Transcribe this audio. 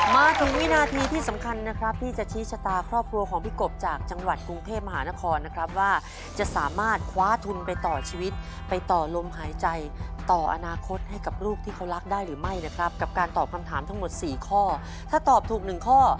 มาถึงวินาทีที่สำคัญนะครับที่จะชี้ชะตาครอบครัวของพี่กบจากจังหวัดกรุงเทพมหานครนะครับว่าจะสามารถคว้าทุนไปต่อชีวิตไปต่อลมหายใจต่ออนาคตให้กับลูกที่เขารักได้หรือไม่นะครับกับการตอบคำถามทั้งหมดสี่ข้อถ้าตอบถูกหนึ่งข้อ